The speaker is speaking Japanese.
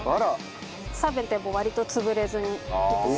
冷めても割と潰れずにできます。